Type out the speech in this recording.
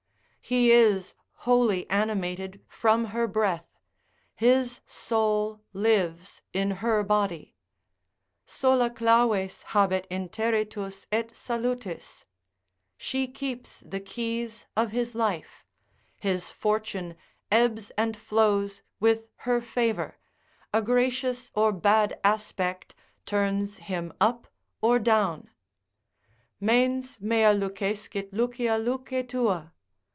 He is wholly animated from her breath, his soul lives in her body, sola claves habet interitus et salutis, she keeps the keys of his life: his fortune ebbs and flows with her favour, a gracious or bad aspect turns him up or down, Mens mea lucescit Lucia luce tua.